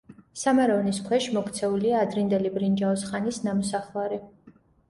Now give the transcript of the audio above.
სამაროვნის ქვეშ მოქცეულია ადრინდელი ბრინჯაოს ხანის ნამოსახლარი.